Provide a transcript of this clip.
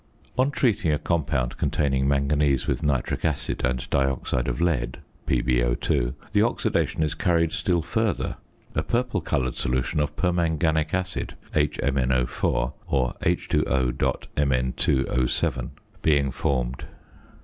On treating a compound containing manganese with nitric acid and dioxide of lead (PbO_), the oxidation is carried still further, a purple coloured solution of permanganic acid (HMnO_ or H_O.Mn_O_) being formed.